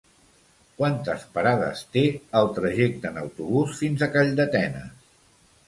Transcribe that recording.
Quantes parades té el trajecte en autobús fins a Calldetenes?